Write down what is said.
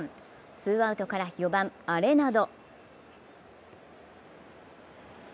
ツーアウトから４番・アレナド。